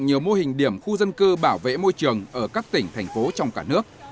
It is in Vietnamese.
nhiều mô hình điểm khu dân cư bảo vệ môi trường ở các tỉnh thành phố trong cả nước